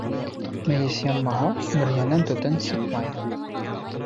Мейес янмаһа, мөрйәнән төтөн сыҡмай.